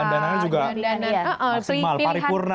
dan juga paripurna